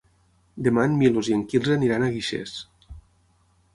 Demà en Milos i en Quirze aniran a Guixers.